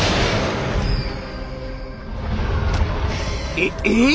えっええ？